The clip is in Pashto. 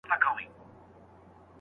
ستا د لېمو د نظر سيوري ته يې سر ټيټ کړی